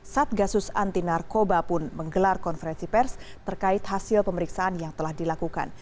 satgasus anti narkoba pun menggelar konferensi pers terkait hasil pemeriksaan yang telah dilakukan